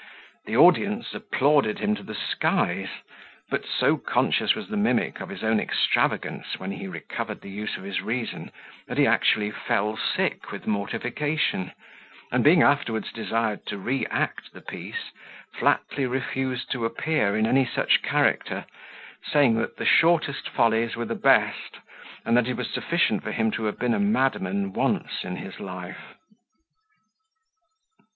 The audience applauded him to the skies: but so conscious was the mimic of his own extravagance when he recovered the use of his reason, that he actually fell sick with mortification; and being afterwards desired to re act the piece, flatly refused to appear in any such character, saying that the shortest follies were the best, and that it was sufficient for him to have been a madman once in his life.